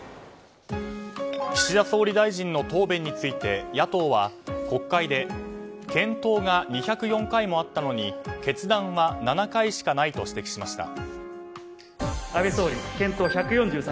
岸田総理大臣の答弁について野党は、国会で検討が２０４回もあったのに決断は７回しかないと指摘しました。